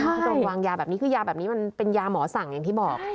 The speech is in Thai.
เขาโดนวางยาแบบนี้คือยาแบบนี้มันเป็นยาหมอสั่งอย่างที่บอก